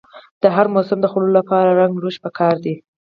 د هر موسم د خوړو لپاره رنګه لوښي پکار دي.